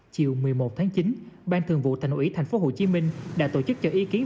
chiều một mươi một tháng chín ban thường vụ thành ủy thành phố hồ chí minh đã tổ chức cho ý kiến